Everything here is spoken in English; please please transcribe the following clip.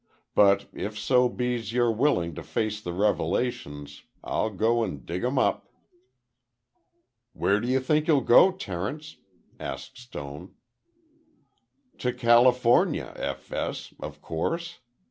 But if so be's you're willing to face the revelations, I'll go and dig 'em up." "Where do you think you'll go, Terence?" asked Stone. "To California, F. S., of course.